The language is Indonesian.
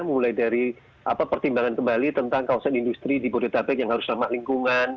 mulai dari pertimbangan kembali tentang kawasan industri di bodetabek yang harus ramah lingkungan